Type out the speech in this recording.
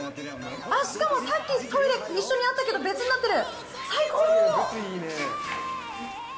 しかもさっき、トイレ一緒にあったけど、別になってる。